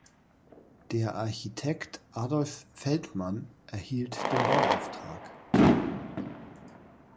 Der Architekt "Adolf Feldmann" erhielt den Bauauftrag.